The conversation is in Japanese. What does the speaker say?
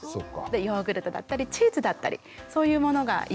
ヨーグルトだったりチーズだったりそういうものがいいかなと思います。